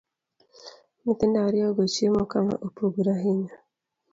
Nyithindo ariyo go chiemo kama opogore ahinya,